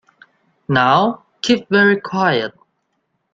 Now keep very quiet.